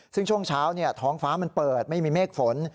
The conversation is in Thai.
ซึ่งช่วงเช้าท้องฟ้ามันเปิดไม่มีเมฆฝน